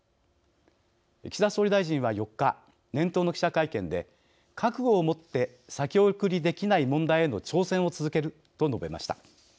岸田総理大臣は、４日年頭の記者会見で覚悟を持って、先送りできない問題への挑戦を続けると述べました。